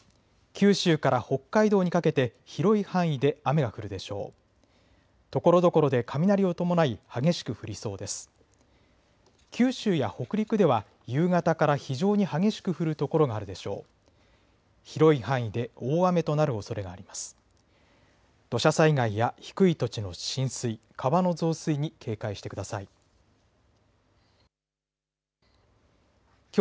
九州や北陸では夕方から非常に激しく降る所があるでしょう。